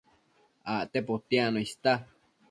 Acte potiacno ista